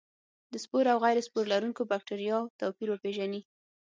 د سپور او غیر سپور لرونکو بکټریا توپیر وپیژني.